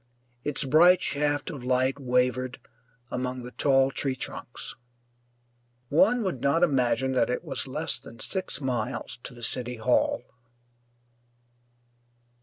Its bright shaft of light wavered among the tall tree trunks. One would not imagine that it was less than six miles to the City Hall.